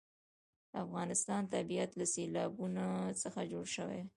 د افغانستان طبیعت له سیلابونه څخه جوړ شوی دی.